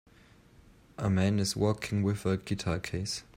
A man is walking with a guitar case.